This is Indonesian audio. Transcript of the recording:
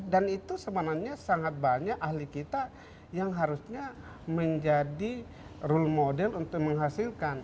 dan itu sebenarnya sangat banyak ahli kita yang harusnya menjadi role model untuk menghasilkan